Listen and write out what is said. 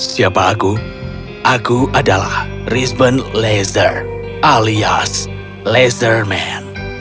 siapa aku aku adalah rizben lazar alias lazerman